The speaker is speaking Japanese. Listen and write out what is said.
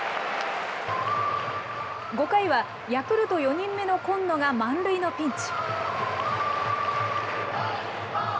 ５回はヤクルト４人目の今野が満塁のピンチ。